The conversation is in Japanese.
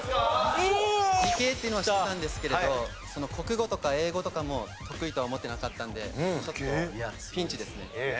理系っていうのは知ってたんですけれど国語とか英語とかも得意とは思ってなかったのでちょっとピンチですね。